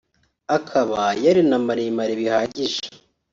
akaba yari na maremare bihagije